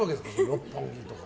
六本木とか。